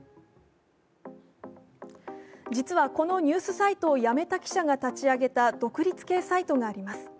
実は、このニュースサイトを辞めた記者が立ち上げた独立系サイトがあります。